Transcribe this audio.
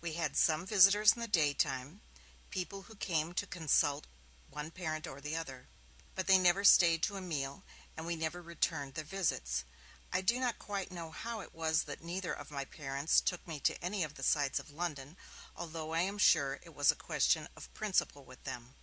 We had some visitors in the daytime, people who came to consult one parent or the other. But they never stayed to a meal, and we never returned their visits. I do not quite know how it was that neither of my parents took me to any of the sights of London, although I am sure it was a question of principle with them.